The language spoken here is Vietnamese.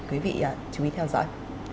chủ yếu thưa quý vị